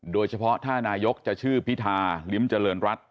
โดยเฉพาะถ้านายกจะชื่อพิธาลิ้มเจริญรัฐ